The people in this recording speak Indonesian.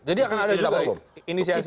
jadi akan ada juga inisiasi